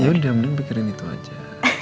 yaudah mending pikirin itu aja